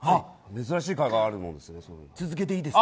珍しい海岸があるんですね。